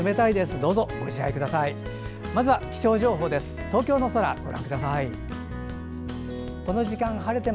どうぞご自愛ください。